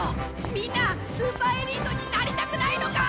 みんなスーパーエリートになりたくないのか！？